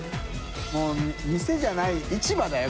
もう店じゃない市場だよ